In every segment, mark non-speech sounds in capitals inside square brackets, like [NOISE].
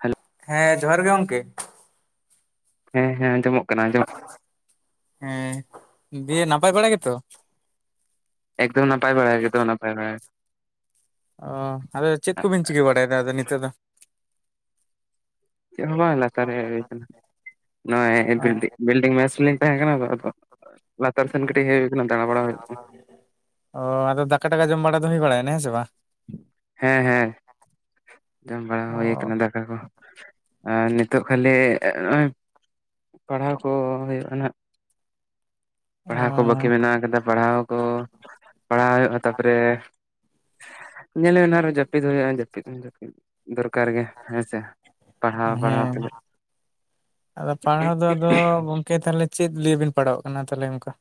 Hello ᱦᱮᱸ ᱡᱚᱦᱟᱨ ᱜᱮ ᱜᱚᱝᱠᱮ᱾ ᱦᱮᱸ-ᱦᱮᱸ ᱟᱸᱡᱢᱚᱜ ᱠᱟᱱᱟ ᱟᱸᱡᱚᱢᱚᱜᱼᱼ ᱦᱮᱸ ᱫᱤᱭᱮ ᱱᱟᱯᱟᱭ ᱵᱟᱲᱟ ᱜᱮᱛᱚ? ᱮᱠᱫᱚᱢ ᱱᱟᱯᱟᱭ ᱵᱟᱲᱟ ᱜᱮ, ᱮᱠᱫᱚᱢ ᱱᱟᱯᱟᱭ ᱵᱟᱲᱟ ᱜᱮ᱾ ᱚᱸ ᱟᱫᱚ ᱪᱮᱫ ᱠᱚᱵᱤᱱ ᱪᱤᱠᱟᱹ ᱵᱟᱲᱟᱭᱮᱫᱟ ᱟᱫᱚ ᱱᱤᱛᱚᱜ ᱫᱚ? ᱪᱮᱫ ᱦᱚᱸ ᱵᱟᱝ ᱞᱟᱛᱟᱨ ᱦᱮᱜ ᱦᱩᱭ ᱠᱟᱱᱟ᱾ ᱱᱚᱜ ᱚᱭ ᱦᱮᱸ ᱵᱤᱞᱰᱤᱝ, ᱵᱤᱞᱰᱤᱝ ᱢᱮᱥ ᱨᱮᱞᱤᱧ ᱛᱟᱦᱮᱸ ᱠᱟᱱᱟ ᱛᱚ ᱟᱫᱚᱼᱼ ᱞᱟᱛᱟᱨ ᱥᱮᱱ ᱠᱟᱹᱴᱤᱡ ᱦᱮᱡ ᱦᱩᱭᱩᱜ ᱠᱟᱱᱟ ᱫᱟᱸᱬᱟ ᱵᱟᱲᱟ ᱦᱩᱭᱩᱜ ᱠᱟᱱᱟ᱾ ᱚ ᱟᱫᱚ ᱫᱟᱠᱟ-ᱴᱟᱠᱟ ᱡᱚᱢ ᱵᱟᱲᱟ ᱫᱚ ᱦᱩᱭ ᱵᱟᱲᱟᱭ ᱮᱱᱟ ᱦᱮᱸ ᱥᱮ ᱵᱟᱝ? ᱦᱮᱸ-ᱦᱮᱸ ᱡᱚᱢ ᱵᱟᱲᱟ ᱚ ᱦᱩᱭ ᱠᱟᱱᱟ ᱫᱟᱠᱟ ᱠᱚ, ᱟᱨ ᱱᱤᱛᱼᱼ ᱱᱤᱛᱚᱜ ᱠᱷᱟᱞᱤ ᱱᱚᱜ-ᱚᱭ ᱯᱟᱲᱦᱟᱣ ᱠᱚ ᱦᱩᱭᱩᱜ-ᱟ ᱱᱷᱟᱜ᱾ ᱚ ᱯᱟᱲᱦᱟᱣ ᱠᱚ ᱵᱟᱹᱠᱤ ᱢᱮᱱᱟᱜ ᱠᱟᱫᱟ ᱯᱟᱲᱦᱟᱣ ᱠᱚ ᱯᱟᱲᱦᱟᱣ ᱦᱩᱭᱩᱜ-ᱟ ᱛᱟᱯᱚᱨᱮᱼᱼ ᱧᱮᱞ ᱦᱩᱭ ᱱᱟ ᱟᱨᱦᱚᱸ ᱡᱟᱹᱯᱤᱫ ᱦᱩᱭᱩᱜ-ᱟ, ᱡᱟᱹᱯᱤᱫ ᱦᱚᱸ ᱡᱟᱹᱯᱤᱫ ᱫᱚᱨᱠᱟᱨ ᱜᱮ ᱦᱮᱸ ᱥᱮ, ᱦᱮᱸ, ᱟᱫᱚ ᱯᱟᱲᱦᱟᱣ ᱫᱚ ᱟᱫᱚ ᱜᱚᱢᱼᱼ ᱠᱮ ᱛᱟᱦᱚᱞᱮ ᱪᱮᱫ ᱞᱤᱭᱮ ᱵᱤᱱ ᱯᱟᱲᱦᱟᱣᱚᱜ ᱠᱟᱱᱟ? ᱛᱟᱦᱚᱞᱮ ᱚᱱᱠᱟ,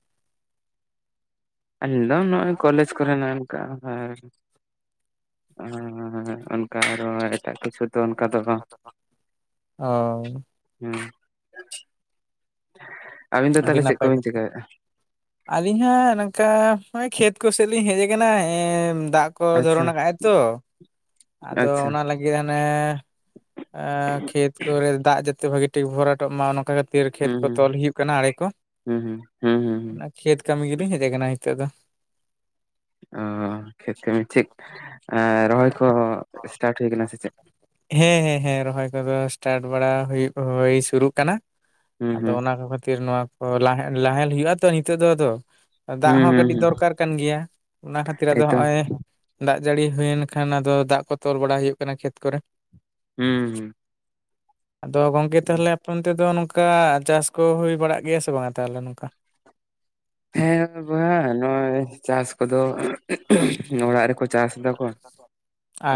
ᱟᱞᱤᱧ ᱫᱚ ᱱᱚᱜ-ᱚᱭ ᱠᱚᱞᱮᱡᱽ ᱠᱚᱨᱮ ᱱᱚᱜᱚ ᱱᱚᱝᱠᱟ [UNINTELLIGIBLE] ᱚᱸᱻ ᱚᱱᱠᱟ ᱟᱨᱦᱚᱸ ᱮᱴᱟᱜ ᱠᱤᱪᱷᱩᱼᱼ ᱛᱚ ᱚᱱᱠᱟ ᱫᱚ ᱵᱟᱝ ᱚ ᱦᱩᱸ᱾ ᱟᱵᱤᱱ ᱫᱚ ᱟᱹᱰᱤ ᱛᱟᱦᱚᱞᱮ ᱪᱮᱫ ᱱᱟᱯᱟᱭ ᱠᱚᱵᱤᱱ ᱠᱩᱠᱼᱼ ᱪᱤᱠᱟᱭᱮᱫᱼᱟ ᱟᱹᱞᱤᱧ ᱦᱚᱸ ᱱᱚᱝᱠᱟ ᱱᱚᱜ-ᱚᱭ ᱠᱷᱮᱛ ᱠᱚᱥᱮᱫ ᱞᱤᱧ ᱦᱮᱡ ᱟᱠᱟᱱᱟ, ᱮ‍‍ᱸᱻ ᱫᱟᱜ ᱠᱚ ᱟᱪᱪᱷᱟ ᱫᱷᱚᱨᱚᱱ ᱠᱟᱜ-ᱟᱭ ᱛᱚ, ᱟᱫᱚ ᱟᱪᱪᱷᱟ ᱚᱱᱟ ᱞᱟᱹᱜᱤᱫ ᱦᱟᱱᱮ ᱮᱸ ᱠᱷᱮᱛ ᱠᱚᱨᱮ ᱫᱟᱜ ᱡᱟᱛᱮ ᱵᱷᱟᱹᱜᱤ ᱴᱷᱤᱠ ᱵᱷᱚᱨᱟᱴᱚᱜ ᱢᱟ ᱱᱚᱝᱠᱟ ᱠᱷᱟᱹᱛᱤᱨ ᱠᱷᱮᱛ ᱦᱩᱸ ᱠᱚ ᱦᱩᱸ ᱛᱚᱞ ᱦᱩᱭᱩᱜᱼᱼ ᱠᱟᱱᱟ ᱟᱲᱮ ᱠᱚ, ᱦᱩᱸ ᱦᱩᱸ ᱦᱩᱸ ᱦᱩᱸ ᱦᱩᱸ ᱚᱱᱟ ᱠᱷᱮᱛ ᱠᱟᱹᱢᱤ ᱜᱮᱞᱤᱧ ᱦᱮᱡ ᱠᱟᱱᱟ ᱱᱤᱛᱚᱜ ᱫᱚ᱾ ᱚ ᱠᱷᱮᱛ ᱠᱟᱹᱢᱤ ᱴᱤᱠ ᱨᱚᱦᱚᱭ ᱠᱚ ᱮᱥᱴᱟᱴ ᱦᱩᱭ ᱟᱠᱟᱱᱟ ᱥᱮ ᱪᱮᱫ? ᱦᱮᱸ ᱦᱮᱸ ᱦᱮᱸ, ᱨᱚᱦᱚᱭ ᱠᱚ ᱫᱚ ᱮᱥᱴᱟᱴ ᱵᱟᱲᱟ ᱦᱩᱭᱩᱜᱼᱟ ᱦᱩᱭ ᱥᱩᱨᱩᱜ ᱠᱟᱱᱟ ᱦᱩᱸ ᱟᱫᱚ ᱦᱩᱸ ᱚᱱᱟ ᱠᱚ ᱠᱷᱟᱹᱛᱤᱨ ᱱᱚᱣᱟ ᱠᱚ ᱞᱟ ᱞᱟᱦᱮᱞ ᱦᱩᱭᱩᱜᱼᱟ ᱛᱚ ᱱᱤᱛᱚᱜ ᱫᱚ ᱟᱫᱚ ᱾ ᱫᱟᱜ ᱦᱩᱸ ᱦᱚᱸ ᱦᱩᱸ ᱠᱟᱹᱴᱤᱡ ᱦᱩᱸ ᱫᱚᱨᱠᱟᱨ ᱠᱟᱱ ᱜᱮᱭᱟ ᱚᱱᱟ ᱠᱷᱟᱹᱛᱤᱨ ᱟᱫᱚ ᱮᱭᱛᱚ ᱦᱚᱸᱜᱼᱚᱭ ᱫᱟᱜ ᱡᱟᱹᱲᱤ ᱦᱩᱭᱮᱱ ᱠᱷᱟᱱ ᱟᱫᱚ ᱫᱟᱜ ᱠᱚ ᱛᱚᱞ ᱵᱟᱲᱟ ᱦᱩᱭᱩᱜ ᱠᱟᱱᱟ ᱠᱷᱮᱛ ᱠᱚᱨᱮ ᱾ ᱦᱩᱸ ᱦᱩᱸ ᱾ ᱟᱫᱚ ᱜᱚᱝᱠᱮ ᱛᱟᱦᱞᱮ ᱟᱯᱮ ᱚᱱᱛᱮ ᱫᱚ ᱱᱚᱝᱠᱟ ᱪᱟᱥ ᱠᱚ ᱦᱩᱭ ᱵᱟᱲᱟᱜ ᱜᱮᱭᱟ ᱥᱮ ᱵᱟᱝ-ᱟ ᱛᱟᱦᱞᱮ ᱱᱚᱝᱠᱟ? ᱦᱮᱸ ᱜᱚᱝᱠᱮ, ᱱᱚᱜᱼᱚᱭ ᱪᱟᱥ ᱠᱚ ᱫᱚ ᱚᱲᱟᱜ ᱨᱮ ᱠᱚ ᱪᱟᱥ ᱮᱫᱟ ᱠᱚ,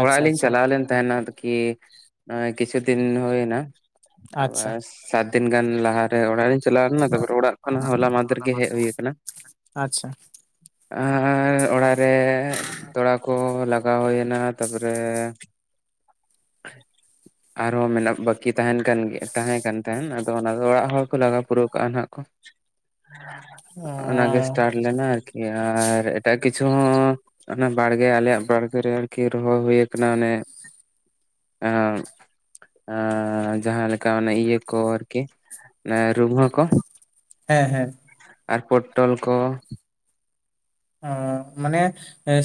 ᱚᱲᱟᱜ ᱞᱤᱧ ᱟᱪᱪᱷᱟ ᱪᱟᱞᱟᱣ ᱞᱮᱱ ᱛᱟᱦᱮᱱᱟ ᱟᱨ ᱠᱤ ᱠᱤᱪᱷᱩ ᱫᱤᱱ ᱦᱩᱭ ᱮᱱᱟ᱾ ᱟᱪᱪᱷᱟ ᱟᱵᱟᱨ ᱥᱟᱛ ᱫᱤᱱ ᱜᱟᱱ ᱞᱟᱦᱟ ᱨᱮ ᱚᱲᱟᱜ ᱨᱤᱧ ᱪᱟᱞᱟᱣ ᱞᱮᱱᱟ, ᱛᱟᱯᱚᱨ ᱚᱲᱟᱜ ᱠᱷᱚᱱ ᱦᱚᱞᱟ ᱢᱟᱦᱫᱷᱮᱨ ᱜᱮ ᱦᱮᱡ ᱦᱩᱭ ᱟᱠᱟᱱᱟ ᱾ ᱟᱨ ᱟᱪᱪᱷᱟ ᱚᱲᱟᱜ ᱨᱮ ᱛᱚᱲᱟ ᱠᱚ ᱞᱟᱜᱟᱣ ᱦᱩᱭᱮᱱᱟ, ᱛᱟᱯᱚ ᱨᱮ ᱟᱨ ᱦᱚᱸ ᱢᱮᱱᱟᱜ ᱵᱟᱹᱠᱤ ᱛᱟᱦᱮᱱ ᱠᱟᱱ ᱜᱮ ᱛᱟᱦᱮᱸᱠᱟᱱ ᱾ ᱛᱟᱦᱮᱱ ᱟᱫᱚ ᱚᱱᱟ ᱚᱲᱟᱜ ᱦᱚᱲ ᱠᱚ ᱞᱟᱜᱟᱣ ᱯᱩᱨᱟᱹᱣ ᱠᱟᱜᱼᱟ᱾ ᱠᱚ ᱱᱟᱜ ᱮᱠᱷᱚᱱ, ᱚᱱᱟ ᱜᱮ ᱚ ᱮᱥᱴᱟᱴ ᱾ ᱞᱮᱱᱟ ᱟᱨᱠᱤ ᱟᱨ ᱮᱴᱟᱜ ᱠᱤᱪᱷᱩ ᱦᱚᱸ ᱚᱱᱟ ᱵᱟᱲ ᱜᱮ ᱟᱞᱮ ᱭᱟᱜ ᱵᱟᱲ ᱜᱮ ᱨᱮ ᱟᱨᱠᱤ ᱨᱚᱦᱚᱭ ᱦᱩᱭ ᱟᱠᱟᱱᱟ ᱚᱱᱮ ᱾ ᱦᱮᱸ ᱾ ᱮᱻ ᱡᱟᱦᱟᱸ ᱞᱮᱠᱟ ᱚᱱᱮ ᱤᱭᱟᱹ ᱠᱚ ᱟᱨᱠᱤ ᱚᱱᱟ ᱨᱩᱵᱟᱹ ᱠᱚ᱾ ᱦᱮᱸ ᱦᱮᱸ ᱾ ᱟᱨ ᱯᱚᱴᱚᱞ ᱠᱚ ᱾ ᱚᱸ ᱢᱟᱱᱮ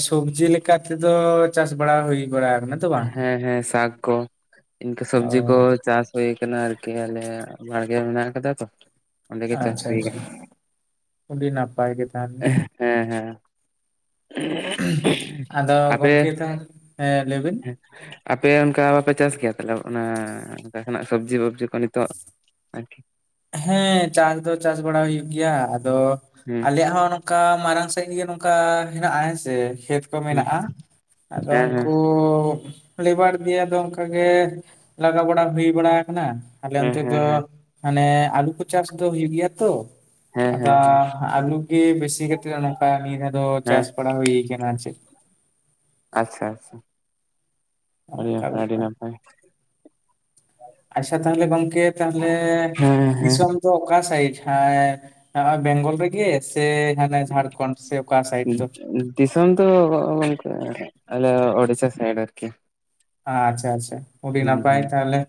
ᱥᱚᱵᱡᱤ ᱞᱮᱠᱟ ᱛᱮ ᱫᱚ ᱪᱟᱥ ᱵᱟᱲᱟ ᱦᱩᱭ ᱵᱟᱲᱟᱜ ᱟᱠᱟᱱᱟ᱾ ᱛᱚ ᱵᱟᱝ? ᱦᱮᱸ ᱦᱮᱸ, ᱥᱟᱠ ᱠᱚ ᱤᱱᱠᱟᱹ ᱚ ᱥᱚᱵᱽᱡᱤ ᱠᱚ ᱪᱟᱥ ᱦᱩᱭ ᱟᱠᱟᱱᱟ ᱟᱨᱠᱤ ᱟᱞᱮ ᱵᱟᱲ ᱜᱮ ᱨᱮ ᱢᱮᱱᱟᱜ ᱟᱠᱟᱫᱟ ᱛᱚ ᱾ ᱟᱪᱪᱷᱟ ᱟᱪᱪᱷᱟ ᱾ ᱟᱹᱰᱤ ᱤ ᱱᱟᱯᱟᱭ ᱜᱮ ᱛᱟᱦᱞᱮ ᱾ ᱦᱮᱸ ᱦᱮᱸ ᱾ ᱟᱫᱚ ᱟᱯᱮ ᱜᱚᱝᱠᱮ ᱛᱚ ᱦᱮᱸ ᱞᱟᱹᱭ ᱵᱤᱱ᱾ ᱟᱯᱮ ᱚᱱᱠᱟ ᱵᱟᱯᱮ ᱪᱟᱥ ᱜᱮᱭᱟ ᱛᱟᱦᱞᱮ ᱚᱱᱟ ᱚᱱᱠᱟ ᱱᱟᱜ ᱥᱚᱵᱽᱡᱤ ᱵᱚᱵᱡᱤ ᱠᱚ ᱱᱤᱛᱚᱜ? ᱟᱨᱠᱤ᱾ ᱦᱮᱸ, ᱪᱟᱥ ᱫᱚ ᱪᱟᱥ ᱵᱟᱲᱟ ᱦᱩᱭᱩᱜ ᱜᱮᱭᱟ ᱾ ᱟᱫᱚ ᱦᱮᱸ ᱟᱞᱮᱭᱟᱼᱜ ᱦᱚᱸ ᱚᱱᱠᱟ ᱢᱟᱨᱟᱝ ᱥᱟᱺᱦᱤᱡ ᱜᱮ ᱱᱚᱝᱠᱟ ᱦᱮᱱᱟᱜᱼᱟ᱾ ᱦᱮᱸᱥᱮ ᱠᱷᱮᱛ ᱦᱮᱸ ᱢᱮᱱᱟᱜᱼᱟ ᱟᱫᱚ ᱦᱮᱸ ᱦᱮᱸ ᱩᱱᱠᱩ ᱞᱮᱵᱷᱟᱨ ᱜᱮ ᱟᱫᱚ ᱚᱱᱠᱟ ᱜᱮ ᱞᱟᱜᱟᱣ ᱵᱟᱲᱟ ᱦᱩᱭ ᱵᱟᱲᱟ ᱟᱠᱟᱱᱟ ᱟᱞᱮ ᱦᱮᱸ ᱚᱱᱛᱮ ᱦᱮᱸ ᱫᱚ ᱦᱮᱸ ᱾ ᱦᱟᱱᱮ ᱟᱞᱩ ᱠᱚ ᱪᱟᱥ ᱫᱚ ᱦᱩᱭᱩᱜ ᱜᱮᱭᱟ ᱛᱚ ᱦᱮᱸ ᱾ ᱟᱫᱚ ᱦᱮᱸ ᱦᱮᱸ ᱟᱞᱩ ᱜᱮ ᱵᱮᱥᱤ ᱠᱟᱛᱮ ᱱᱚᱠᱟ ᱱᱤᱭᱟᱹ ᱫᱚ ᱦᱮᱸ ᱪᱟᱥ ᱵᱟᱲᱟ ᱦᱩᱭ ᱟᱠᱟᱱᱟ ᱟᱨ ᱪᱮᱫ ᱾ ᱟᱪᱪᱷᱟ ᱟᱪᱪᱷᱟ ᱾ ᱟᱹᱰᱤ ᱚᱱᱠᱟ ᱱᱟᱯᱟᱭ ᱟᱹᱰᱤ ᱵᱮᱯᱟᱨ ᱱᱟᱯᱟᱭ ᱾ ᱟᱪᱪᱷᱟ ᱛᱟᱦᱞᱮ ᱜᱚᱝᱠᱮ, ᱛᱟᱦᱞᱮ ᱦᱮᱸ ᱦᱮᱸ ᱫᱤᱥᱚᱢ ᱚᱠᱟ ᱥᱟᱭᱤᱰ ᱵᱮᱝ ᱜᱚᱞ ᱨᱮ ᱜᱮ? ᱥᱮ ᱦᱟᱱᱮ ᱡᱷᱟᱲᱠᱷᱚᱱᱰ ᱥᱮ ᱚᱠᱟ ᱥᱟᱭᱤᱰ ᱫᱚ᱾ ᱫᱤᱥᱚᱢ ᱜᱚᱝᱠᱮ ᱟᱞᱮ ᱩᱰᱤᱥᱟ ᱥᱟᱭᱤᱰ ᱟᱨᱠᱤ ᱾ ᱟᱪᱪᱷᱟ ᱟᱪᱪᱷᱟ ᱾ ᱟᱹᱰᱤ ᱱᱟᱯᱟᱭ ᱦᱩᱸ ᱛᱟᱦᱚᱞᱮ,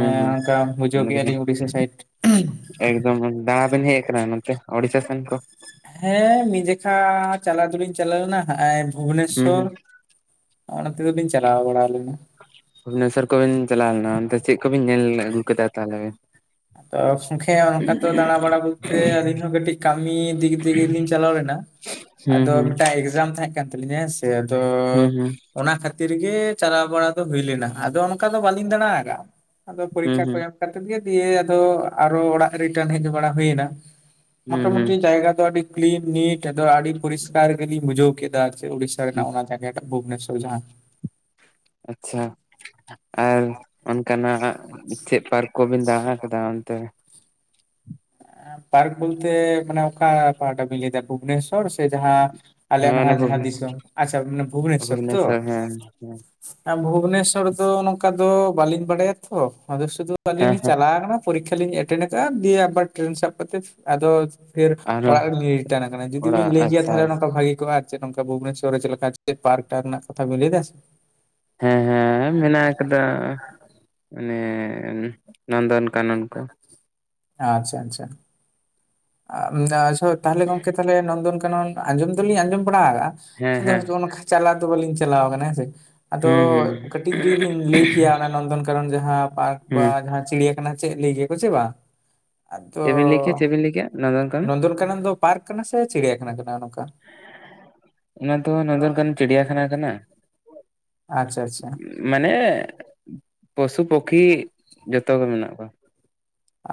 ᱮ ᱦᱩᱸ ᱚᱱᱠᱟ ᱵᱩᱡᱷᱟᱹᱣ ᱠᱮᱜᱼᱟ ᱞᱤᱧ ᱩᱲᱤᱥᱥᱟ ᱥᱟᱭᱤᱰ ᱾ ᱮᱫᱚᱢ ᱫᱟᱲᱟ ᱵᱤᱱ ᱦᱮᱡ ᱠᱟᱱᱟ ᱱᱚᱛᱮ ᱩᱲᱤᱥᱥᱟᱹ ᱥᱮᱱ ᱠᱚ? ᱦᱮᱸ, ᱢᱤᱫ ᱡᱚᱠᱷᱟ ᱪᱟᱞᱟᱣ ᱫᱩᱞᱤᱧ ᱪᱟᱞᱟᱣ ᱞᱮᱱᱟ ᱦᱩᱸ ᱵᱷᱩᱵᱚᱱᱮᱥᱥᱚᱨ ᱦᱩᱸ ᱾ ᱚᱱᱚᱱ ᱛᱮ ᱫᱚ ᱵᱤᱱ ᱪᱟᱞᱟᱣ ᱵᱟᱲᱟ ᱞᱮᱱᱟ ᱾ ᱵᱷᱩᱵᱽᱱᱮᱥᱥᱚᱨ ᱠᱚᱵᱮᱱ ᱪᱟᱞᱟᱣ ᱞᱮᱱᱟ ᱾ ᱚᱱᱛᱮ ᱪᱮᱫ ᱠᱚᱵᱤᱱ ᱧᱮᱞ ᱟᱹᱜᱩ ᱠᱮᱫᱟ ᱛᱟᱦᱚᱞᱮ? ᱜᱚᱝᱠᱮ ᱚᱱᱠᱟ ᱛᱚ ᱫᱟᱬᱟ ᱵᱟᱲᱟ ᱵᱚᱞᱛᱮ ᱟᱹᱞᱤᱧ ᱦᱚᱸ ᱠᱟᱹᱴᱤᱡ ᱠᱟᱹᱢᱤ ᱫᱤᱠ ᱫᱤᱭᱮ ᱞᱤᱧ ᱪᱟᱞᱟᱣ ᱞᱮᱱᱟ ᱾ ᱦᱩᱸ ᱟᱫᱚ ᱦᱩᱸ ᱢᱤᱫ ᱴᱟᱝ ᱮᱠᱡᱟᱢ ᱛᱟᱦᱮᱸ ᱠᱟᱱ ᱛᱟᱞᱤᱧᱟ ᱦᱮᱸᱥᱮ, ᱟᱫᱚ ᱦᱩᱸ ᱦᱩᱸ ᱚᱱᱟ ᱠᱷᱟᱹᱛᱤᱨ ᱜᱮ ᱪᱟᱞᱟᱣ ᱵᱟᱲᱟ ᱫᱚ ᱦᱩᱭ ᱞᱮᱱᱟ, ᱟᱫᱚ ᱚᱱᱠᱟ ᱫᱚ ᱵᱟᱹᱞᱤᱧ ᱫᱟᱬᱟ ᱟᱠᱟᱜᱼᱟ ᱾ ᱟᱫᱚ ᱦᱩᱸ ᱯᱚᱨᱤᱠᱠᱷᱟ ᱠᱚ ᱦᱩᱸ ᱮᱢ ᱠᱟᱛᱮ ᱜᱮ ᱫᱤᱭᱮ ᱟᱫᱚ ᱟᱨᱚ ᱚᱲᱟᱜ ᱨᱤᱴᱟᱨᱱ ᱦᱮᱡ ᱵᱟᱲᱟ ᱦᱩᱭᱱᱟ ᱾ ᱦᱩᱸ ᱢᱚᱴᱟ ᱦᱩᱸ ᱢᱩᱴᱤ ᱡᱟᱭᱜᱟ ᱫᱚ ᱟᱹᱰᱤ ᱠᱞᱤᱱ ᱱᱤᱴ ᱟᱫᱚ ᱟᱹᱰᱤ ᱯᱚᱨᱤᱥᱠᱟᱨ ᱜᱮᱞᱤᱧ ᱵᱩᱡᱷᱟᱹᱣ ᱠᱮᱫᱟ᱾ ᱩᱲᱤᱥᱟ ᱦᱩᱸ ᱨᱮᱱᱟᱜ ᱚᱱᱟ ᱡᱭᱟᱜ ᱴᱟᱜ ᱵᱷᱩᱵᱚᱱᱮᱥᱚᱨ ᱡᱟᱦᱟᱸ ᱟᱪᱪᱷᱟ ᱟᱨ ᱚᱱᱠᱟ ᱟᱜ ᱦᱟᱜ ᱪᱮᱫ ᱯᱟᱨ ᱠᱚᱵᱤᱱ ᱫᱟᱬᱟ ᱟᱠᱟᱫᱟ ᱚᱱᱛᱮ ᱯᱟᱨᱠ ᱵᱚᱞᱛᱮ ᱢᱟᱱᱮ ᱚᱠᱟ ᱯᱟᱦᱴᱮ ᱵᱤᱱ ᱞᱟᱹᱭ ᱫᱟ ᱵᱷᱩᱵᱮᱥᱥᱚᱨ ᱦᱚᱲ ᱥᱮ ᱡᱟᱦᱟᱸ ᱟᱞᱮ ᱦᱮᱸ ᱱᱚᱣᱟ ᱚᱱᱮ ᱡᱟᱦᱟᱸ ᱵᱷᱩᱵᱽᱱᱮ ᱫᱤᱥᱚᱢ ᱟᱪᱪᱷᱟ ᱵᱷᱩᱵᱱᱮᱥᱥᱚᱨ ᱛᱚ ᱵᱷᱩᱵᱽᱱᱮᱥᱥᱚᱨ ᱦᱮᱸ ᱦᱮᱸ ᱵᱷᱩᱵᱱᱮᱥᱥᱚᱨ ᱫᱚ ᱱᱚᱝ ᱠᱟ ᱫᱚ ᱵᱟᱹᱞᱤᱧ ᱵᱟᱲᱟᱭᱟ ᱛᱚ ᱟᱫᱚ ᱥᱩᱫᱷᱩ ᱟᱹᱞᱤᱧ ᱦᱮᱸ ᱞᱤᱧ ᱦᱮᱸ ᱪᱟᱞᱟᱣ ᱠᱟᱱᱟ᱾ ᱯᱚᱨᱤᱠᱷᱟ ᱞᱤᱧ ᱮᱴᱮᱱᱰ ᱟᱠᱟᱫᱼᱟ ᱫᱤᱭᱮ ᱟᱵᱟᱨ ᱴᱨᱮᱱ ᱥᱟᱵ ᱠᱟᱛᱮᱫ ᱟᱫᱚ ᱯᱷᱮᱨ ᱟᱨᱚ ᱚᱲᱟᱜ ᱨᱮ ᱞᱤᱧ ᱨᱤᱴᱟᱱ ᱟᱠᱟᱱᱟ ᱡᱩᱫᱤ ᱵᱤᱱ ᱚᱲᱟᱜ ᱞᱟᱹᱭ ᱠᱮᱭᱟ ᱟᱪᱪᱷᱟ ᱛᱟᱦᱚᱞᱮ ᱱᱚᱱᱠᱟ ᱵᱷᱟᱹᱜᱤ ᱠᱚᱜᱼᱟ᱾ ᱪᱮ ᱱᱚᱝᱠᱟ ᱵᱷᱩᱵᱟᱱᱮᱥᱚᱨ ᱪᱮᱫ ᱞᱮᱠᱟ ᱯᱟᱨᱠ ᱴᱟᱠ ᱨᱮᱱᱟᱜ ᱠᱟᱛᱷᱟ ᱵᱤᱱ ᱞᱟᱹᱭ ᱫᱟᱥᱮ ᱦᱮᱸ ᱦᱮᱸ ᱢᱮᱱᱟᱜ ᱟᱠᱟᱫᱟ ᱢᱟᱱᱮ ᱱᱚᱱ ᱫᱚᱱ ᱟᱪᱪᱷᱟ ᱟᱪᱪᱷᱟ ᱟᱪᱪᱷᱟ ᱛᱟᱦᱚᱞᱮ ᱜᱚᱝᱠᱮ ᱛᱟᱦᱚᱞᱮ ᱱᱚᱱᱫᱚᱱᱠᱟᱱᱚᱱ ᱟᱸᱡᱚᱢ ᱫᱚᱞᱤᱧ ᱟᱸᱡᱚᱢ ᱵᱟᱲᱟᱠᱟᱜᱼᱟ᱾ ᱦᱮᱸ ᱦᱮᱸ ᱟᱫᱚ ᱚᱱᱠᱟ ᱪᱟᱞᱟᱣ ᱫᱚ ᱵᱟᱹᱞᱤᱧ ᱪᱟᱞᱟᱣ ᱠᱟᱱᱟ ᱦᱮᱸ ᱥᱮ ᱟᱫᱚ ᱦᱩᱸ ᱦᱩᱸ ᱠᱟᱹᱴᱤᱡ ᱡᱩᱫᱤ ᱵᱤᱱ ᱞᱟᱹᱭ ᱠᱮᱭᱟ ᱚᱱᱟ ᱱᱚᱱᱫᱚᱱ ᱠᱟᱱᱚᱱ ᱡᱟᱦᱟᱸ ᱯᱟᱨᱠ ᱵᱟ ᱦᱩᱸ ᱡᱟᱦᱟᱸ ᱪᱤᱲᱤᱭᱟᱠᱷᱟᱱᱟ ᱪᱮᱫ ᱞᱟᱹᱭ ᱠᱮᱭᱟ ᱠᱚ ᱪᱮ ᱵᱟᱝ ᱟᱫᱚ ᱪᱮᱫ ᱵᱤᱱ ᱞᱟᱹᱭ ᱠᱮᱫᱟ ᱪᱮᱫ ᱵᱤᱱ ᱞ ᱞᱟᱹᱭ ᱠᱮᱫᱟ ᱱᱚᱫᱚᱱ ᱠᱟᱱᱟᱱ ᱠᱟᱱᱚᱱ ᱫᱚ ᱯᱟᱨᱠ ᱠᱟᱱᱟ ᱥᱮ ᱪᱤᱲᱤᱭᱟ ᱠᱷᱟᱱᱟ ᱠᱟᱱᱟ ᱱᱚᱝ ᱠᱟ ᱚᱱᱟ ᱫᱚ ᱱᱚᱱᱫᱚᱱ ᱠᱟᱱᱚᱱ ᱪᱤᱲᱤᱭᱟ ᱠᱷᱟᱱᱟ ᱠᱟᱱᱟ᱾ ᱟᱪᱪᱷᱟ ᱟᱪᱪᱷᱟ ᱢᱟᱱᱮ ᱯᱚᱥᱩ ᱯᱚᱠᱷᱤ ᱡᱚᱛᱚ ᱜᱮ ᱢᱮᱱᱟᱜ ᱠᱚᱣᱟ᱾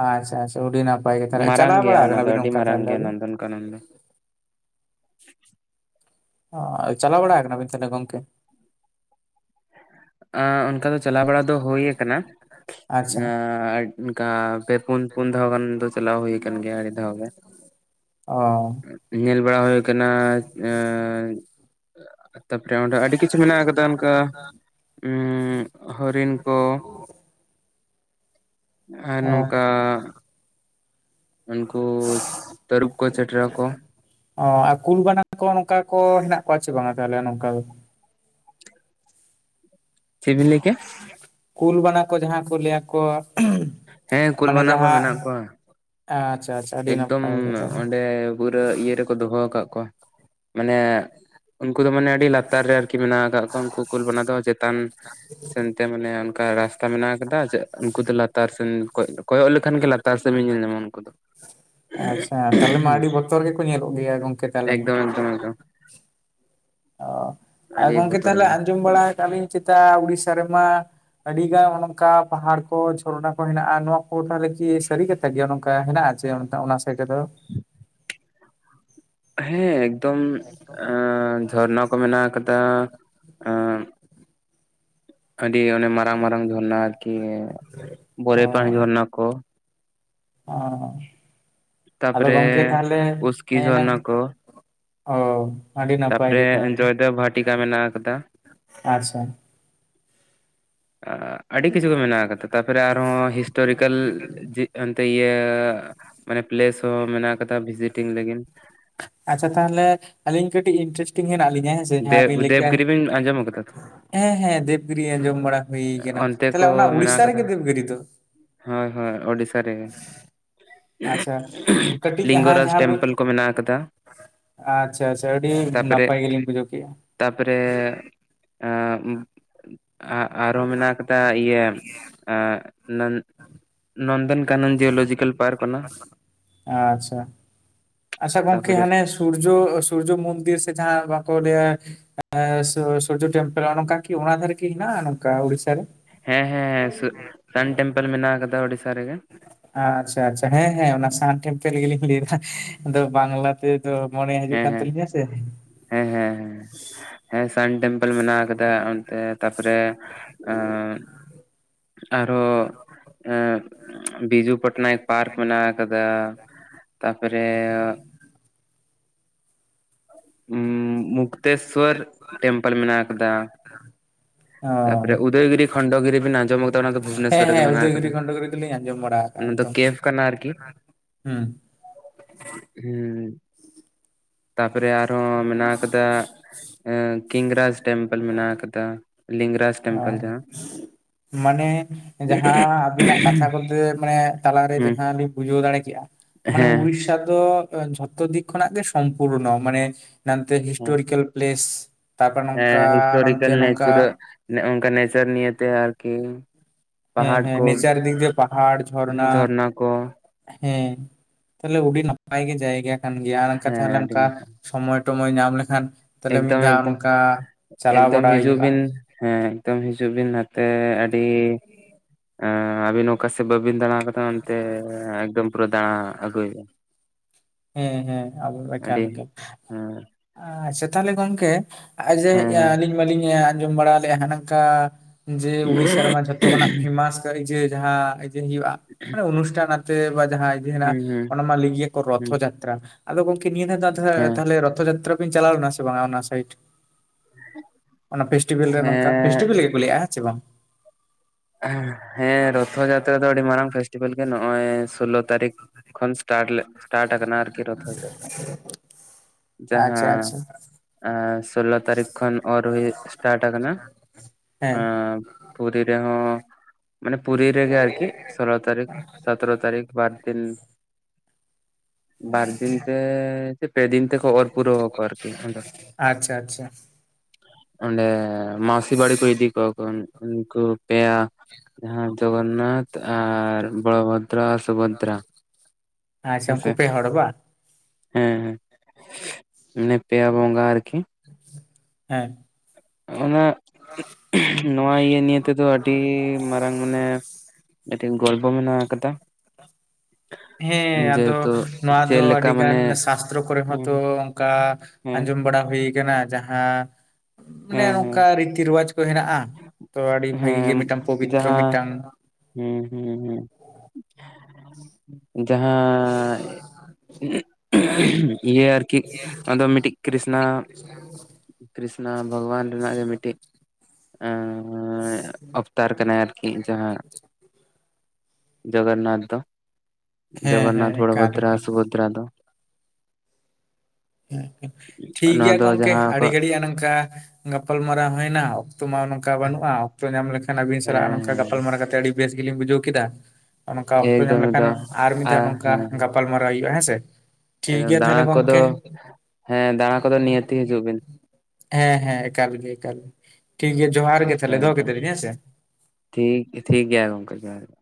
ᱟᱪᱪᱷᱟ ᱟᱪᱪᱷᱟ ᱟᱹᱰᱤ ᱱᱟᱯᱟᱭ ᱜᱮ ᱛᱚᱦᱚᱞᱮ ᱢᱟᱨᱟᱝ ᱪᱟᱞᱟᱣ ᱜᱮᱭᱟ ᱵᱟᱲᱟ ᱚᱱᱟ ᱫᱚ ᱟᱠᱟᱱᱟᱵᱤᱱ ᱟᱹᱰᱤ ᱚᱱᱠᱟ ᱢᱟᱨᱟᱝ ᱛᱟᱦᱚᱞᱮ ᱜᱮᱭᱟ ᱟᱵᱤᱱ? ᱱᱚᱱᱫᱚᱱ ᱠᱟᱱᱚᱱ [INAUDIBLE] ᱪᱟᱣ ᱵᱟᱲᱟ ᱟᱠᱟᱱᱟ ᱵᱤᱱ ᱛᱟᱦᱞᱮ ᱜᱚᱝᱠᱮ ᱮᱸᱻ ᱚᱱᱠᱟ ᱫᱚ ᱪᱟᱞᱟᱣ ᱵᱟᱲᱟ ᱫᱚ ᱦᱩᱠ ᱟᱪᱪᱷᱟ ᱚᱱᱠᱟ ᱾ ᱮᱸᱻ ᱯᱩᱱ ᱯᱩᱱ ᱫᱷᱟᱣ ᱜᱟᱱ ᱫᱚ ᱪᱟᱞᱟᱣ ᱦᱩᱭᱟ ᱠᱟᱱ ᱜᱮᱭᱟ ᱟᱹᱰᱤ ᱫᱷᱟᱣ ᱜᱮ ᱚ ᱧᱮᱞ ᱵᱟᱲᱟ ᱦᱩᱭ ᱠᱟᱱᱟ ᱛᱟᱯᱚ ᱨᱮ ᱚᱸᱰᱮ ᱟᱹᱰᱤ ᱠᱤᱪᱷᱩ ᱢᱮᱱᱟᱜ ᱟᱠᱟᱫᱟ ᱚᱱᱠᱟ ᱦᱚᱨᱤᱱ ᱠᱚ ᱟᱨ ᱚ ᱱᱚᱝᱠᱟ ᱩᱱᱠᱩ ᱛᱟᱹᱨᱩᱵ, ᱠᱚ ᱪᱮᱴᱨᱟ, ᱠᱚ ᱚ ᱟᱨ ᱠᱩᱞ ᱵᱟᱱᱟ ᱠᱚ ᱱᱚᱝᱠᱟ ᱠᱚ ᱦᱮᱱᱟᱜ ᱠᱚᱣᱟ ᱪᱮ ᱵᱟᱝᱼᱟ ᱛᱟᱦᱚᱞᱮ ᱱᱚᱝᱠᱟ ᱪᱮᱫ ᱵᱤᱱ ᱞᱟᱹᱭ ᱠᱮᱭᱟ᱾ ᱠᱩᱞ ᱵᱟᱱᱟ ᱠᱚ ᱡᱟᱦᱟᱸ ᱠᱚ ᱞᱟᱹᱭᱟ ᱠᱚᱣᱟ᱾ ᱦᱮᱸ ᱠᱩᱞ ᱵᱟᱱᱟ ᱠᱚ ᱢᱮᱱᱟᱜ ᱠᱚᱣᱟ᱾ ᱟᱪᱷᱟ ᱟᱪᱷᱟ ᱮᱠᱫᱚᱢ ᱚᱸᱰᱮ ᱯᱩᱨᱟᱹ ᱤᱭᱟᱹ ᱨᱮᱠᱚ ᱫᱚᱦᱚ ᱟᱠᱟᱫ ᱠᱚᱣᱟ᱾ ᱢᱟᱱᱮ ᱩᱱᱠᱩ ᱫᱚ ᱢᱟᱱᱮ ᱟᱹᱰᱤ ᱞᱟᱛᱟᱨ ᱨᱮ ᱟᱨᱠᱤ ᱢᱮᱱᱟᱜ ᱟᱠᱟᱫ ᱠᱚᱣᱟ ᱩᱱᱠᱩ ᱠᱩᱞ ᱵᱟᱱᱟ ᱫᱚ ᱪᱮᱛᱟᱱ ᱥᱮᱱᱛᱮ ᱢᱟᱱᱮ ᱚᱱᱠᱟ ᱨᱟᱥᱛᱟ ᱯᱟᱛᱟ ᱢᱮᱱᱟᱜ ᱠᱟᱫᱟ ᱪᱮᱫ ᱩᱱᱠᱩ ᱫᱚ ᱞᱟᱛᱟᱨ ᱥᱮᱱ ᱠᱚᱭᱚᱜ ᱞᱮᱠᱷᱟᱱ ᱜᱮ ᱞᱟᱛᱟᱨ ᱥᱮᱱ ᱵᱤᱱ ᱧᱮᱞ ᱧᱟᱢᱟ ᱩᱱᱠᱩ ᱫᱚ᱾ ᱟᱪᱷᱟ ᱛᱟᱦᱚᱞᱮ ᱢᱟ ᱟᱹᱰᱤ ᱵᱚᱛᱚᱨ ᱜᱮᱠᱚ ᱧᱮᱞᱚᱜ ᱜᱮᱭᱟ ᱵᱟᱝ ᱾ ᱮᱠᱫᱚᱢ ᱮᱠᱫᱚᱢ ᱮᱠᱫᱚᱢ ᱚ ᱾ ᱟᱨ ᱜᱚᱢᱠᱮ ᱛᱟᱦᱚᱞᱮ ᱟᱸᱡᱚᱢ ᱵᱟᱲᱟ ᱠᱟᱫᱟ ᱞᱤᱧ ᱪᱮᱛᱟ ᱩᱲᱤᱥᱟ ᱨᱮᱢᱟ ᱟᱹᱰᱤ ᱜᱟᱱ ᱚᱱᱠᱟ ᱯᱟᱦᱟᱲ ᱠᱚ ᱡᱷᱚᱨᱱᱟ ᱠᱚ ᱦᱮᱱᱟᱜᱼᱟ, ᱱᱚᱣᱟ ᱠᱚ ᱛᱟᱦᱚᱞᱮ ᱠᱤ ᱥᱟᱹᱨᱤ ᱠᱟᱛᱮᱼᱼ ᱥᱮᱫ ᱜᱮ ᱱᱚᱝᱠᱟ ᱦᱮᱱᱟᱜᱼᱟ ᱡᱮ ᱚᱱᱟ ᱥᱮᱫ ᱨᱮᱫᱚᱼᱼ ᱦᱮᱸ ᱮᱠᱫᱚᱢ, ᱟ ᱡᱷᱚᱨᱱᱟ ᱠᱚ ᱢᱮᱱᱟᱜ ᱟᱠᱟᱫᱟ, ᱟᱼᱼ ᱟᱹᱰᱤ ᱚᱱᱮ ᱢᱟᱨᱟᱝ ᱢᱟᱨᱟᱝ ᱡᱷᱚᱨᱱᱟ ᱟᱨᱠᱤ, ᱚ ᱵᱚᱨᱮᱯᱟᱱᱤ ᱡᱷᱚᱨᱱᱟ ᱠᱚ ᱾ ᱚ, ᱟᱫᱚ ᱛᱟᱯᱚᱨᱮ ᱜᱚᱢᱠᱮ ᱛᱟᱦᱚᱞᱮ, ᱩᱥᱠᱤ ᱦᱮᱸ ᱤᱱᱟᱹᱝ ᱡᱷᱚᱨᱱᱟ ᱜᱮ ᱠᱚ [UNINTELLIGIBLE] ᱚ, ᱟᱹᱰᱤ ᱱᱟᱯᱟᱭ ᱛᱟᱯᱚᱨᱮ ᱜᱮ ᱛᱟᱦᱚᱞᱮ, ᱡᱚᱭᱫᱮᱵ ᱵᱷᱟᱴᱤᱠᱟ ᱢᱮᱱᱟᱜ ᱟᱠᱟᱫᱟ [INAUDIBLE] ᱟᱪᱪᱷᱟ ᱾ ᱚ ᱟᱹᱰᱤ ᱠᱤᱪᱷᱩ ᱜᱮ ᱢᱮᱱᱟᱜ ᱟᱠᱟᱫᱟ ᱛᱟᱯᱚᱨᱮ ᱟᱨᱦᱚᱸ ᱦᱤᱥᱴᱚᱨᱤᱠᱮᱞ [INAUDIBLE] ᱚᱱᱛᱮ ᱤᱭᱟᱹ, ᱢᱟᱱᱮ ᱯᱞᱮᱥ ᱦᱚᱸ ᱢᱮᱱᱟᱜ ᱠᱟᱫᱟ ᱵᱷᱤᱡᱤᱴᱤᱝ ᱞᱟᱹᱜᱤᱫ ᱾ ᱟᱪᱪᱷᱟ ᱛᱟᱦᱚᱞᱮ ᱟᱹᱞᱤᱧ ᱠᱟᱹᱴᱤᱡ ᱤᱱᱴᱟᱨᱮᱥᱴᱤᱝ ᱢᱮᱱᱟᱜ ᱞᱤᱧᱟ ᱾ ᱫᱮᱵᱽ ᱫᱮᱵᱽ ᱜᱤᱨᱤ ᱵᱤᱱ ᱟᱸᱡᱚᱢ ᱠᱟᱫᱟ? ᱦᱮᱸ ᱦᱮᱸ ᱫᱮᱵᱽ ᱜᱤᱨᱤ ᱟᱸᱡᱚᱢ ᱵᱟᱲᱟ ᱦᱩᱭ ᱠᱟᱱᱟ ᱚᱱᱛᱮ ᱾ ᱛᱟᱦᱚᱞᱮ ᱠᱚ ᱚᱱᱟ ᱢᱮᱱᱟᱜ ᱩᱲᱤᱥᱟ ᱟᱠᱟᱫᱟ ᱨᱮᱜᱮ ᱫᱮᱵᱽ ᱜᱤᱨᱤ ᱫᱚ? ᱦᱳᱭ ᱦᱳᱭ ᱳᱰᱤᱥᱟ ᱨᱮᱜᱮ ᱾ ᱟᱪᱪᱷᱟ [UNINTELLIGIBLE] ᱠᱟᱹᱴᱤᱡ ᱞᱤᱝᱜᱚ ᱦᱟᱸ ᱨᱟᱡᱽ ᱡᱟᱦᱟᱸ ᱵᱤᱱ ᱴᱮᱢᱯᱮᱞ ᱠᱚ ᱢᱮᱱᱟᱜ ᱟᱠᱟᱫᱟ ᱾ ᱟᱪᱪᱷᱟ ᱟᱪᱪᱷᱟ ᱟᱹᱰᱤ ᱱᱟᱯᱟᱭ ᱜᱮᱞᱤᱧ ᱵᱩᱡᱷᱟᱹᱣ ᱠᱮᱫᱼᱟ ᱾ ᱛᱟᱯᱚᱨᱮ ᱟ [INAUDIBLE] ᱟᱨᱦᱚᱸ ᱢᱮᱱᱟᱜ ᱠᱟᱫᱟ ᱤᱭᱟᱹ, ᱱᱚᱱ ᱱᱚᱱᱫᱚᱱᱼᱼ ᱠᱟᱱᱚᱱ ᱡᱤᱭᱳᱞᱚᱡᱤᱠᱮᱞ ᱯᱟᱨᱠ ᱠᱟᱱᱟ ᱾ ᱟᱪᱪᱷᱟ ᱟᱪᱪᱷᱟ ᱜᱚᱝᱠᱮ ᱦᱟᱱᱮ ᱥᱩᱨᱡᱚ ᱥᱩᱨᱡᱚ ᱢᱚᱱᱫᱤᱨ ᱥᱮ ᱡᱟᱦᱟᱸ ᱵᱟᱠᱚ ᱞᱟᱹᱭᱟ ᱾ ᱮᱸ ᱥᱩᱨ, ᱥᱩᱨᱡᱚ ᱴᱮᱢᱯᱮᱞ ᱚᱱᱠᱟ ᱠᱤ ᱚᱱᱟ ᱫᱷᱟᱨᱮ ᱠᱤ ᱦᱮᱱᱟᱜᱼᱟ, ᱱᱚᱝᱠᱟ ᱩᱲᱤᱥᱟ ᱨᱮ? ᱦᱮᱸ ᱦᱮᱸ, ᱥᱩᱨ ᱥᱟᱱᱴᱮᱢᱯᱮᱞ ᱢᱮᱱᱟᱜ ᱟᱠᱟᱫᱟ ᱳᱲᱤᱥᱟ ᱨᱮᱜᱮ ᱾ ᱟ ᱟᱪᱪᱷᱟ ᱟᱪᱪᱷᱟ ᱦᱮᱸ ᱦᱮᱸ ᱚᱱᱟ ᱥᱟᱱ ᱴᱮᱢᱯᱮᱞ ᱜᱮᱞᱤᱧ ᱞᱟᱹᱭ ᱫᱟ, ᱟᱫᱚ ᱵᱟᱝᱞᱟᱛᱮᱼᱼ ᱛᱚ ᱢᱚᱱᱮ ᱦᱤᱡᱩᱜ ᱦᱮᱸ ᱠᱟᱱ ᱦᱮᱸ ᱛᱟᱹᱞᱤᱧᱟ ᱥᱮ ᱦᱮᱸ ᱦᱮᱸ, ᱥᱟᱱ ᱴᱮᱢᱯᱮᱞ ᱢᱮᱱᱟᱜ ᱠᱟᱫᱟ ᱾ ᱮ ᱛᱟᱯᱚᱨᱮ ᱮᱸᱼᱼ ᱟᱨᱚ ᱮᱸ ᱵᱤᱡᱩ ᱯᱚᱼᱼ ᱦᱮᱸ ᱯᱟᱨᱠ ᱢᱮᱱᱟᱜ ᱠᱟᱫᱟ ᱛᱟᱨᱯᱚᱨᱮᱼᱼ ᱩᱸ ᱢᱩᱠᱛᱮᱥᱥᱚᱨ ᱴᱮᱢᱯᱮᱞ ᱢᱮᱱᱟᱜ ᱠᱟᱫᱟ ᱾ ᱚ ᱛᱟᱨᱯᱚᱨᱮ ᱩᱫᱚᱭᱜᱤᱨᱤ ᱠᱷᱚᱱᱰᱚ ᱜᱤᱨᱤ ᱢᱮᱱᱟᱜ -ᱟ ᱡᱚᱼᱼ ᱦᱮᱸ ᱦᱮᱸ ᱩᱫᱚᱭᱜᱤᱨᱤ ᱠᱷᱚᱱᱰᱚ ᱜᱤᱨᱤ ᱫᱚᱞᱤᱧ ᱟᱸᱡᱚᱢ ᱵᱟᱲᱟ ᱟᱠᱟᱼᱟ ᱚᱱᱟ ᱫᱚ ᱮᱠᱫᱚᱢ ᱾ ᱦᱮᱸ [INAUDIBLE] ᱦᱩᱸ ᱛᱟᱨᱯᱚᱨᱮ ᱟᱨᱦᱚᱸ ᱢᱮᱱᱟᱜ ᱠᱟᱫᱟ, ᱮ ᱠᱤᱝᱨᱟᱡᱽ ᱴᱮᱢᱯᱮᱞ ᱢᱮᱱᱟᱜ ᱠᱟᱫᱟ ᱾ ᱞᱤᱝᱜᱽ ᱨᱟᱡᱽᱼᱼ ᱚ [INAUDIBLE] ᱢᱟᱱᱮ ᱡᱟᱦᱟᱸ ᱟᱵᱤᱱᱟᱜ ᱠᱟᱛᱷᱟ ᱠᱚᱛᱮ ᱢᱟᱱᱮ ᱛᱟᱞᱟᱨᱮ ᱦᱮᱸ ᱡᱟᱦᱟᱸ ᱞᱤᱧ ᱵᱩᱡᱷᱟᱹᱣ ᱫᱟᱲᱮ ᱠᱮᱫᱼᱟ ᱾ ᱢᱟᱱᱮ ᱦᱮᱸ ᱩᱲᱤᱥᱥᱟ ᱫᱚᱼᱼ ᱡᱷᱚᱛᱚ ᱫᱤᱠ ᱠᱷᱚᱱᱟᱜ ᱜᱮ ᱥᱚᱢᱯᱩᱨᱱᱚ ᱢᱟᱱᱮ, ᱱᱚᱛᱮ ᱦᱮᱸ ᱦᱤᱥᱴᱚᱨᱤᱠᱮᱞ ᱯᱞᱮᱥᱼᱼ ᱦᱮᱸ ᱦᱤᱥᱴᱚᱨᱤᱠᱮᱞ ᱱᱮᱪᱟᱨ, ᱚᱱᱠᱟ ᱱᱮᱪᱟᱨ ᱱᱤᱭᱮᱛᱮ ᱟᱨᱠᱤ ᱾ ᱦᱮᱸ ᱦᱮᱸ ᱱᱮᱪᱟᱨ ᱫᱤᱠ ᱫᱤᱭᱮ ᱯᱟᱦᱟᱲ ᱡᱚᱨᱱᱟ ᱡᱷᱚᱨᱱᱟ ᱠᱚ ᱾ ᱦᱮᱸ, ᱛᱟᱦᱚᱞᱮ ᱟᱹᱰᱤ ᱱᱟᱯᱟᱭ ᱜᱮ ᱡᱟᱭᱜᱟ ᱠᱟᱱ ᱜᱮᱭᱟ ᱟᱨ ᱚᱱᱠᱟ ᱦᱮᱸ ᱛᱟᱦᱞᱮ ᱟᱹᱰᱤ ᱚᱱᱠᱟ, ᱱᱟᱯᱟᱭ ᱥᱚᱢᱚᱭᱼᱼ ᱴᱚᱢᱚᱭ ᱧᱟᱢ ᱞᱮᱠᱷᱟᱱ, ᱛᱟᱦᱞᱮ ᱢᱤᱫ ᱮᱠᱫᱚᱢ ᱫᱷᱟᱣ ᱮᱠᱫᱚᱢ ᱱᱚᱝᱠᱟ ᱪᱟᱞᱟᱣ ᱮᱠᱫᱚᱢ ᱵᱟᱲᱟᱭ ᱦᱤᱡᱩᱜ ᱦᱩᱭᱩᱜᱼᱟ ᱾ ᱵᱤᱱ ᱦᱮᱸ ᱮᱠᱫᱚᱢ ᱦᱤᱡᱩᱜ ᱵᱤᱱ ᱱᱟᱛᱮ ᱟᱹᱰᱤᱼᱼ ᱟᱸ ᱟᱹᱵᱤᱱ ᱚᱠᱟ ᱥᱮᱫ ᱵᱟᱹᱵᱤᱱ ᱫᱟᱬᱟ ᱟᱠᱟᱫᱟ ᱚᱱᱛᱮ ᱮᱠᱫᱚᱢ ᱯᱩᱨᱟᱹ ᱫᱟᱬᱟ ᱟᱹᱜᱩᱭᱵᱤᱱ ᱾ ᱦᱮᱸ ᱦᱮᱸ ᱟᱵᱚ ᱟᱹᱰᱤ ᱮᱠᱟᱞ ᱜᱮ ᱦᱮᱸ ᱟᱪᱪᱷᱟ ᱛᱟᱦᱚᱞᱮ ᱜᱚᱢᱠᱮ ᱟᱡᱮ ᱦᱮᱸ ᱦᱮᱸ ᱟᱹᱞᱤᱧ ᱢᱟᱞᱤᱧ ᱟᱸᱡᱚᱢ ᱵᱟᱲᱟ ᱞᱮᱫ-ᱟ, ᱦᱟᱱᱟᱝᱠᱟ ᱡᱮ ᱩᱲᱤᱥᱥᱟ ᱨᱮᱢᱟ ᱡᱷᱚᱛᱚ ᱡᱚᱛᱚ ᱠᱷᱟᱱᱟᱜ ᱯᱷᱮᱢᱟᱥ ᱡᱟᱦᱟᱸ ᱤᱭᱟᱹ ᱦᱩᱭᱩᱜ-ᱟ, ᱢᱟᱱᱮ ᱚᱱᱩᱥᱴᱷᱟᱱ ᱟᱯᱮ ᱵᱟ ᱡᱟᱦᱟᱸᱭ ᱦᱩᱸ ᱦᱩᱸ ᱚᱱᱟ ᱢᱟ ᱞᱟᱹᱭ ᱜᱮ ᱠᱚ ᱦᱩᱸ ᱨᱚᱛᱷᱟ ᱡᱟᱛᱨᱟ ᱟᱫᱚ ᱜᱚᱝᱠᱮ ᱱᱤᱭᱟᱹ ᱫᱷᱟᱣ ᱫᱚ ᱟᱫᱟ ᱦᱮᱸ ᱛᱟᱦᱚᱞᱮ ᱨᱚᱛᱷᱚ ᱡᱟᱛᱨᱟ ᱪᱟᱞᱟᱣ ᱞᱮᱱᱟ ᱥᱮ ᱵᱟᱝ? ᱚᱱᱟ ᱥᱟᱭᱤᱴ ᱯᱷᱮᱥᱵᱷᱮᱞ ᱨᱮ ᱱᱚᱝᱠᱟ ᱦᱮᱸ ᱯᱷᱮᱥᱴᱤᱵᱮᱞ ᱜᱮᱠᱚ ᱞᱟ. ᱭ ᱮᱫ-ᱟ ᱪᱮ ᱵᱟᱝ ᱦᱮᱸ ᱨᱚᱛᱷᱚ ᱡᱟᱛᱨᱟ ᱫᱚ ᱟᱹᱰᱤ ᱢᱟᱨᱟᱝ ᱯᱷᱮᱥᱴᱤᱵᱷᱮᱞ ᱜᱮ ᱱᱚᱜ-ᱚᱭ ᱥᱳᱞᱳ ᱛᱟᱹᱨᱤᱠᱷ ᱠᱷᱚᱱ ᱥᱴᱟᱨᱴ ᱞᱮ ᱥᱴᱟᱨᱴ ᱠᱟᱱᱟ ᱟᱨᱠᱤ ᱨᱚᱛᱷᱟ ᱡᱟᱛᱨᱟ᱾ ᱟᱪᱪᱷᱟ ᱡᱟᱦᱟᱸ ᱟᱪᱪᱷᱟ ᱥᱳᱞᱳ ᱛᱟᱹᱨᱤᱠᱷ ᱠᱷᱚᱱ ᱚᱨ ᱦᱩᱭ ᱥᱴᱟᱨᱴ ᱠᱟᱱᱟ ᱦᱮᱸ ᱯᱩᱨᱤ ᱨᱮ ᱢᱟᱱᱮ ᱯᱩᱨᱤ ᱨᱮᱜᱮ ᱟᱨᱠᱤ ᱥᱳᱞᱳ ᱛᱟᱨᱤᱠᱷ ᱥᱚᱛᱮᱨᱚ ᱛᱟᱨᱤᱠᱷ ᱵᱟᱨ ᱫᱤᱱ ᱵᱟᱨ ᱫᱤᱱ ᱛᱮ ᱥᱮ ᱯᱮ ᱫᱤᱱ ᱛᱮ ᱚᱨ ᱯᱩᱨᱟᱹᱣ ᱟᱠᱚ ᱟᱨᱠᱤ ᱚᱸᱰᱮ ᱟᱪᱪᱷᱟ ᱟᱪᱪᱷᱟ ᱚᱸᱰᱮ ᱢᱟᱥᱤ ᱵᱟᱹᱲᱤ ᱠᱚ ᱤᱫᱤ ᱠᱚᱣᱟ ᱠᱟ ᱩᱱᱠᱩ ᱯᱮᱭᱟ ᱡᱟᱦᱟᱸ ᱡᱚᱜᱚᱱᱱᱟᱛᱷ ᱟᱨ ᱵᱚᱲᱚᱵᱷᱚᱫᱨᱟ ᱥᱩᱵᱷᱚᱫᱨᱟ ᱟᱪᱪᱷᱟ ᱩᱱᱠᱩ ᱦᱮᱸᱥᱮ ᱯᱮ ᱦᱚᱲ ᱵᱟᱝ ᱦᱮᱸ ᱦᱮᱸ ᱢᱟᱱᱮ ᱯᱮᱭᱟ ᱵᱚᱸᱜᱟ ᱟᱨᱠᱤ ᱦᱮᱸ ᱚᱱᱟ ᱱᱚᱣᱟ ᱤᱭᱟᱹ ᱱᱤᱭᱟᱹ ᱛᱮᱫᱚ ᱟᱹᱰᱤ ᱢᱟᱨᱟᱝ ᱢᱟᱱᱮ ᱜᱚᱞᱯᱚ ᱢᱮᱱᱟᱜ ᱟᱠᱟᱫᱟ᱾ ᱦᱮᱸ ᱟᱫᱚ ᱡᱮᱦᱮᱛᱩ ᱱᱚᱣᱟ ᱪᱮᱫ ᱫᱚ ᱞᱮᱠᱟ ᱢᱟᱱᱮ ᱟᱹᱰᱤᱜᱟᱱ ᱥᱟᱥᱛᱨᱚ ᱠᱚᱨᱮ ᱦᱮᱸ ᱦᱚᱸᱛᱚ ᱚᱱᱠᱟ ᱦᱮᱸ ᱟᱸᱡᱚᱢ ᱵᱟᱲᱟ ᱦᱩᱭ ᱠᱟᱱᱟ ᱡᱟᱦᱟᱸ ᱢᱟᱱᱮ ᱦᱮᱸ ᱦᱮᱸ ᱱᱚᱝᱠᱟ ᱨᱤᱛᱤ ᱨᱮᱣᱟᱡᱽ ᱠᱚ ᱦᱮᱱᱟᱜ-ᱟ᱾ ᱛᱚ ᱟᱹᱰᱤ ᱵᱷᱟᱜᱤ ᱜᱮ ᱢᱤᱫᱴᱟᱝ ᱯᱚᱵᱤᱛᱨᱚ ᱢᱤᱫᱴᱟᱝ, ᱦᱩᱸ ᱦᱩᱸ ᱦᱩᱸ ᱡᱟᱦᱟᱸ ᱤᱭᱟᱹ ᱟᱨᱠᱤ ᱱᱚᱣᱟ ᱫᱚ ᱢᱤᱫᱴᱤᱡ ᱠᱨᱤᱥᱱᱟ ᱠᱨᱤᱥᱱᱟ ᱵᱷᱟᱜᱽᱣᱟᱱ ᱨᱮᱱᱟᱜ ᱜᱮ ᱢᱤᱫᱴᱤᱡ ᱮᱻ ᱛᱟᱨ ᱠᱟᱱᱟᱭ ᱟᱨᱠᱤ ᱡᱟᱦᱟᱸ ᱡᱚᱜᱚᱱᱱᱟᱛᱷ ᱫᱚ ᱦᱮᱸ ᱡᱚᱜᱚᱱᱱᱟᱛ ᱦᱮᱸ ᱛᱷᱚᱲᱟ ᱮᱠᱟᱞ ᱵᱷᱚᱫᱨᱟ ᱮᱠᱟᱞ ᱥᱩᱵᱷᱚᱫᱨᱟ ᱫᱚ ᱦᱮ ᱴᱷᱤᱠ ᱱᱚᱣᱟ ᱜᱮᱭᱟ ᱫᱚ ᱜᱚᱝᱠᱮ ᱡᱟᱦᱟᱸ ᱠᱚ ᱟᱹᱰᱤ ᱜᱷᱟᱹᱲᱤᱡᱟᱜ ᱱᱚᱝᱠᱟ ᱜᱟᱯᱟᱞ ᱢᱟᱨᱟᱣ ᱦᱩᱭᱮᱱᱟ᱾ ᱚᱠᱛᱚ ᱢᱟ ᱱᱚᱝᱠᱟ ᱵᱟᱹᱱᱩᱜ-ᱟ, ᱚᱠᱛᱚ ᱧᱟᱢ ᱞᱮᱠᱷᱟᱱ ᱟᱵᱤᱱ ᱥᱟᱞᱟᱜ ᱦᱮᱸ ᱱᱚᱝᱠᱟ ᱦᱮᱸ ᱜᱟᱯᱟᱞ ᱢᱟᱨᱟᱣ ᱠᱟᱛᱮ ᱟᱹᱰᱤ ᱵᱮᱥ ᱜᱮᱞᱤᱧ ᱵᱩᱡᱷᱟᱹᱣ ᱠᱮᱫᱟ᱾ ᱱᱚᱝᱠᱟ ᱚᱠᱛᱚ ᱧᱟᱢ ᱮᱠᱫᱚᱢ ᱞᱮᱠᱷᱟᱱ ᱮᱠᱫᱚᱢ ᱟᱨ ᱢᱤᱫ ᱫᱷᱟᱣ ᱱᱚᱝᱠᱟ ᱜᱟᱯᱟᱞ ᱢᱟᱨᱟᱣ ᱦᱩᱭᱩᱜ-ᱟ ᱦᱮᱸ ᱥᱮ, ᱮ ᱫᱟᱬᱟ ᱠᱚᱫᱚ ᱦᱮᱸ ᱫᱟᱬᱟ ᱠᱚᱫᱚ ᱱᱤᱭᱟᱛᱛᱤ ᱦᱤᱡᱩᱜ ᱵᱤᱱ᱾ ᱦᱮᱸ ᱦᱮᱸ ᱮᱠᱟᱞ ᱜᱮ ᱮᱠᱟᱞ ᱜᱮ ᱴᱷᱤᱠ ᱜᱮᱭᱟ ᱡᱚᱦᱟᱨ ᱮᱠᱫᱚᱢ ᱜᱮ ᱛᱟᱦᱚᱞᱮ ᱫᱚᱦᱚ ᱮᱠᱫᱚᱢ ᱠᱮᱫᱟᱞᱤᱧ ᱦᱮᱸ ᱥᱮ ᱴᱷᱤᱠ ᱴᱷᱤᱠ ᱜᱮᱭᱟ ᱜᱚᱝᱠᱮ ᱡᱚᱦᱟᱨ ᱡᱚᱦᱟᱨ